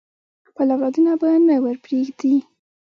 خپل اولادونه به نه ورپریږدي.